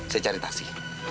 saya cari taksi